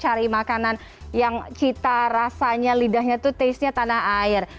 jadi nggak susah gitu untuk mencari makanan yang cita rasanya lidahnya tuh taste nya tanah air